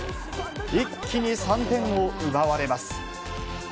一気に３点を奪われます。